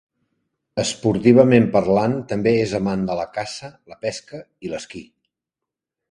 Esportivament parlant també és amant de la caça, la pesca i l'esquí.